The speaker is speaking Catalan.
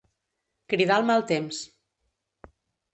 Cridar el mal temps.